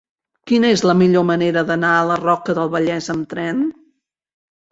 Quina és la millor manera d'anar a la Roca del Vallès amb tren?